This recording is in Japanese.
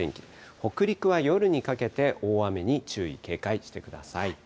北陸は夜にかけて大雨に注意警戒してください。